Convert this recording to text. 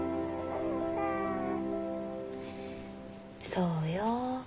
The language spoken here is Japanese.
そうよ。